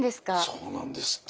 そうなんですって。